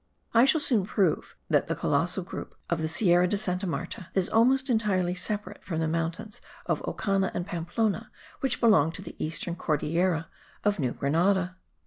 I shall soon prove that the colossal group of the Sierra de Santa Marta is almost entirely separate from the mountains of Ocana and Pamplona which belong to the eastern Cordillera of New Grenada.